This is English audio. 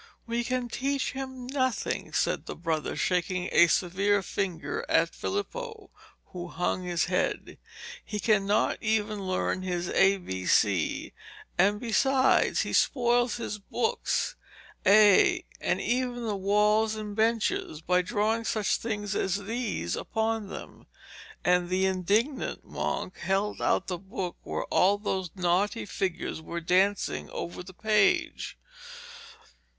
'We can teach him nothing,' said the brother, shaking a severe finger at Filippo, who hung his head. 'He cannot even learn his A B C. And besides, he spoils his books, ay, and even the walls and benches, by drawing such things as these upon them.' And the indignant monk held out the book where all those naughty figures were dancing over the page.